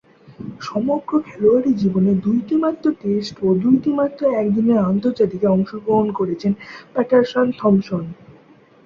সমগ্র খেলোয়াড়ী জীবনে দুইটিমাত্র টেস্ট ও দুইটিমাত্র একদিনের আন্তর্জাতিকে অংশগ্রহণ করেছেন প্যাটারসন থম্পসন।